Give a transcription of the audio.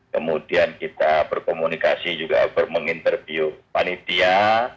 kemudian kita berkomunikasi juga menginterview panitia